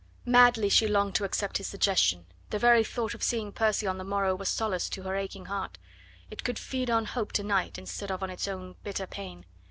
Madly she longed to accept his suggestion. The very thought of seeing Percy on the morrow was solace to her aching heart; it could feed on hope to night instead of on its own bitter pain.